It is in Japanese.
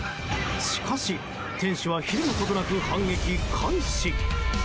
しかし店主はひるむことなく反撃開始。